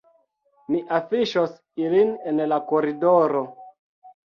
Mi afiŝos ilin en la koridoro